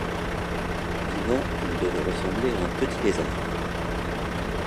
Vivant il devait ressembler à un petit lézard.